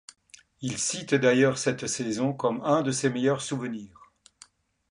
Il cite d'ailleurs cette saison comme un de ses meilleurs souvenirs.